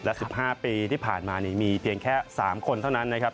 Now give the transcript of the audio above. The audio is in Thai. และ๑๕ปีที่ผ่านมานี่มีเพียงแค่๓คนเท่านั้นนะครับ